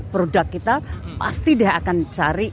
produk kita pasti dia akan cari